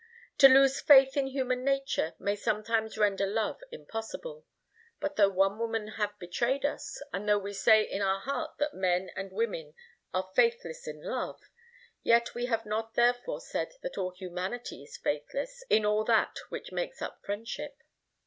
To lose faith in human nature may sometimes render love impossible. But though one woman have betrayed us, and though we say in our heart that men and women are faithless in love, yet we have not therefore said that all humanity is faithless in all that which makes up friendship.